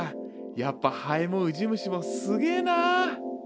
やっぱハエもウジ虫もすげえな。